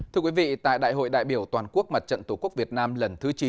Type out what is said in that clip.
thưa quý vị tại đại hội đại biểu toàn quốc mặt trận tổ quốc việt nam lần thứ chín